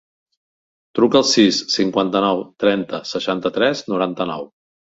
Truca al sis, cinquanta-nou, trenta, seixanta-tres, noranta-nou.